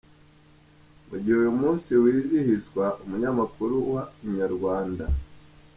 Mu gihe uyu munsi wizihizwa, umunyamakuru wa Inyarwanda.